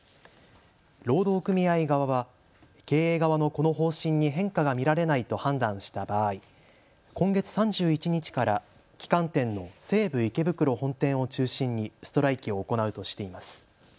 労働組合側は経営側のこの方針に変化が見られないと判断した場合、今月３１日から旗艦店の西武池袋本店を中心にストライキを行うとしています。